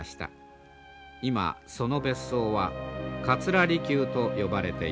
今その別荘は桂離宮と呼ばれています。